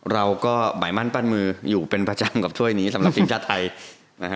เราก็หมายมั่นปั้นมืออยู่เป็นประจำกับถ้วยนี้สำหรับทีมชาติไทยนะฮะ